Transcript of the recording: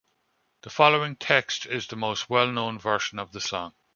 The following text is the most well-known version of the song.